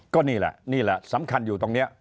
ก็นี่แหละนี่แหละสำคัญอยู่ตรงนี้